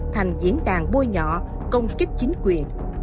thành diễn đàn bôi nhọ công kích chính quyền